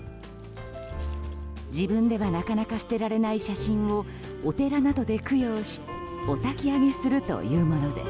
自分ではなかなか捨てられない写真をお寺などで供養しおたき上げするというものです。